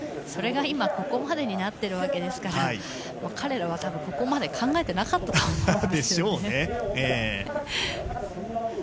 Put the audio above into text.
それが今、ここまでになっているわけですから、彼らはここまで考えていなかったと思いますよ。でしょうね。